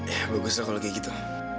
ya baguslah kalau kayak gitu